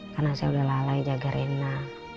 karena saya udah lalai jaga rena